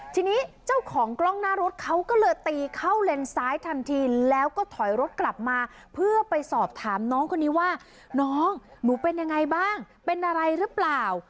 ทีนี้เจ้าของกล้องหน้ารถเขาก็เลยตีเข้าเลนซ้ายทันทีแล้วก็ถอยรถกลับมาเพื่อไปสอบถามน้องคนนี้ว่าน้องหนูเป็นยังไงบ้างเป็นอะไรหรือเปล่า